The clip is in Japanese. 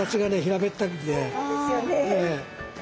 そうなんですよね。